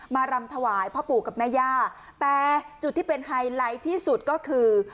รำถวายพ่อปู่กับแม่ย่าแต่จุดที่เป็นไฮไลท์ที่สุดก็คือ